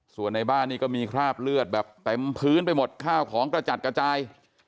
ส่วนในบ้านนี้ก็มีคราบเลือดแบบเต็มพื้นไปหมดข้าวของกระจัดกระจาย